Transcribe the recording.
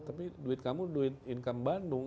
tapi duit kamu duit income bandung